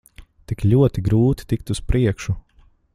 Tik ļoti grūti tikt uz priekšu.